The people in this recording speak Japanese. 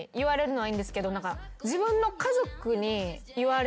はい。